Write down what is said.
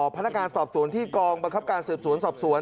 พนักงานสอบสวนที่กองบังคับการสืบสวนสอบสวน